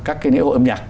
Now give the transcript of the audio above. các cái lễ hội âm nhạc